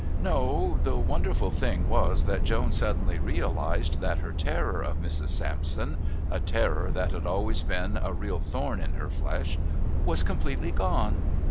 No, the wonderful thing was that Joan suddenly realised that her terror of Mrs. Sampson a terror that had always been a real thorn in her flesh was completely gone.